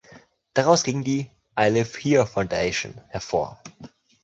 Daraus ging die "I Live Here Foundation" hervor.